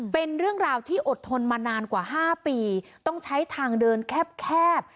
เป็นเรื่องราวที่อดทนมานานกว่า๕ปีต้องใช้ทางเดินแคบ